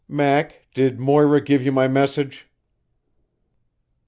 "Mac, did Moira give you my message?"